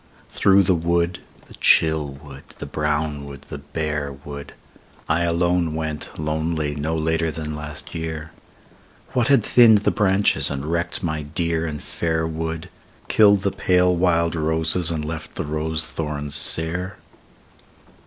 Through the wood, the chill wood, the brown wood, the bare wood, I alone went lonely no later than last year, What had thinned the branches, and wrecked my dear and fair wood, Killed the pale wild roses and left the rose thorns sere